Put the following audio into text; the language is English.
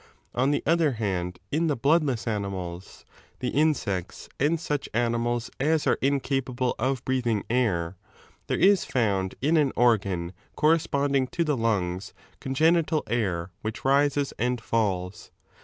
* On the other hand, in the bloodless animals, the insects, and such animals as are incapable of breathing air, there is found in an organ corresponding to the lungs cougenital air which rises and falls.